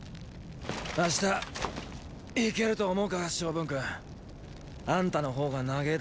明日いけると思うか昌文君。あんたの方が長げー